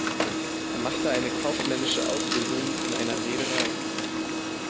Er machte eine kaufmännische Ausbildung in einer Reederei.